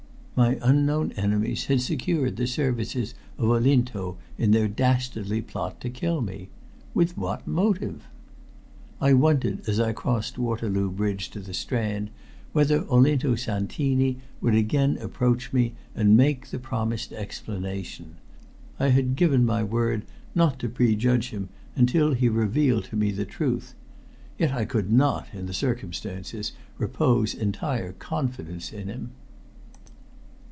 My unknown enemies had secured the services of Olinto in their dastardly plot to kill me. With what motive? I wondered as I crossed Waterloo Bridge to the Strand, whether Olinto Santini would again approach me and make the promised explanation. I had given my word not to prejudge him until he revealed to me the truth. Yet I could not, in the circumstances, repose entire confidence in him.